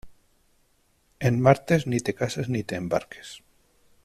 En martes ni te cases ni te embarques.